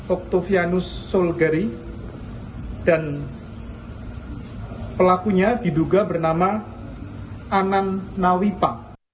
oktovianus solgari dan pelakunya diduga bernama anan nawipa